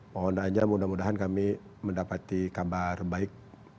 mohon aja mudah mudahan kami mendapati kabar baik